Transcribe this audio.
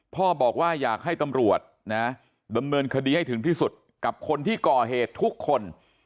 พ่อบอกว่าอยากให้ตำรวจนะดำเนินคดีให้ถึงที่สุดกับคนที่ก่อเหตุทุกคน